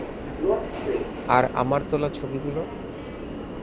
আর, আমার তোলা ছবিগুলো?